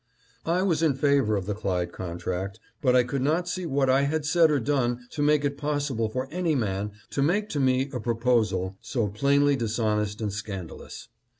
I was in favor of the Clyde contract, but I could not see what I had said or done to make it possible for any man to make to me a proposal so plainly dishonest and scandalous.